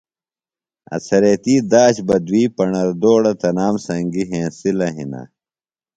اڅھریتی داش بہ دوئی پݨردوڑہ تنام سنگیۡ ہینسِلہ ہِنہ